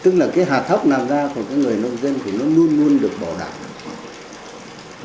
tức là cái hạt thóc làm ra của cái người nông dân thì nó luôn luôn được bảo đảm